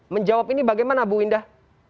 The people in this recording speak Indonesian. menjawab ini bagaimana bu indah